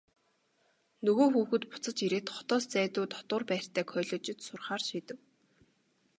Нөгөө хүүхэд буцаж ирээд хотоос зайдуу дотуур байртай коллежид сурахаар шийдэв.